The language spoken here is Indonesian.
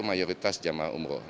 mayoritas jemaah umroh